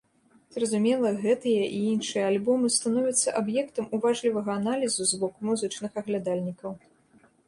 Зразумела, гэтыя і іншыя альбомы становяцца аб'ектам уважлівага аналізу з боку музычных аглядальнікаў.